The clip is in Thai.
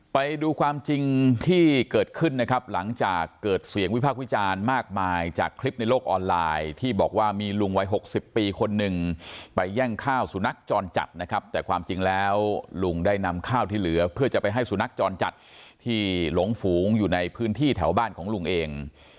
ไปดูความจริงที่เกิดขึ้นนะครับหลังจากเกิดเสียงวิพากษ์วิจารณ์มากมายจากคลิปในโลกออนไลน์ที่บอกว่ามีลุงวัย๖๐ปีคนหนึ่งไปแย่งข้าวสุนัขจรจัดนะครับแต่ความจริงแล้วลุงได้นำข้าวที่เหลือเพื่อจะไปให้สุนัขจรจัดที่หลงฝูงอยู่ในพื้นที่แถวบ้านของลุงเอง